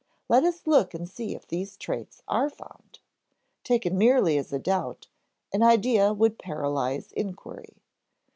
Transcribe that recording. Let us look and see if these traits are found. Taken merely as a doubt, an idea would paralyze inquiry.